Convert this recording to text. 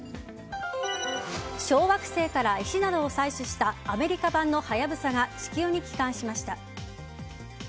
小惑星から石などを採取したアメリカ版の「はやぶさ」が地球に帰還しました。